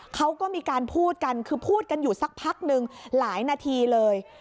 เขาก็มีการพูดกันคือพูดกันอยู่สักพักหนึ่งหลายนาทีเลย